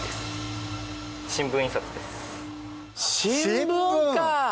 新聞か！